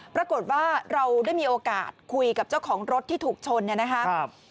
ปรากฏว่าเราได้มีโอกาสคุยกับเจ้าของรถที่ถูกชนเนี่ยนะครับ